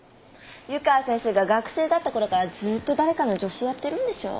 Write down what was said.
湯川先生が学生だったころからずっと誰かの助手やってるんでしょ？